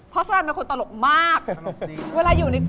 พี่ส่งอะไรมาให้กูเนี่ย